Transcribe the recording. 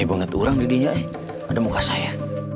eh banget orang didihnya ada muka saya